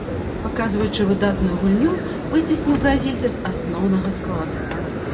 Паказваючы выдатную гульню, выцесніў бразільца з асноўнага складу.